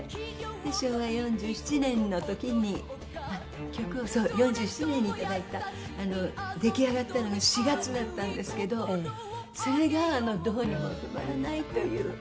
昭和４７年の時に曲をそう４７年にいただいた出来上がったのが４月だったんですけどそれがあの『どうにもとまらない』という。